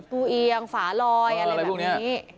เอียงฝาลอยอะไรแบบนี้